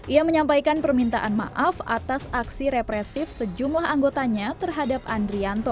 ia menyampaikan permintaan maaf atas aksi represif sejumlah anggotanya terhadap andrianto